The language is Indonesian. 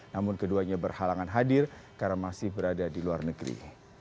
hanya berhalangan hadir karena masih berada di luar negeri